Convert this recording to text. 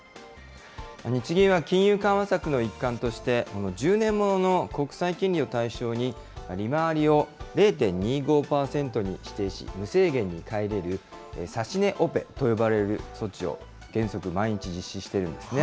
日銀は金融緩和策の一環として、この１０年ものの国債金利を対象に、利回りを０．２５％に指定し、無制限に買い入れる指値オペという措置を原則、毎日、実施しているんですね。